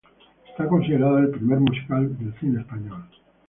Está considerada el primer musical del cine español.